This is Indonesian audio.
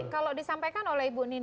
kalau disampaikan oleh ibu nini betul